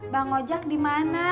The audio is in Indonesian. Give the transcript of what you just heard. bang ojak dimana